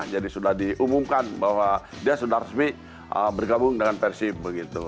jadi sudah diumumkan bahwa dia sudah resmi bergabung dengan persib begitu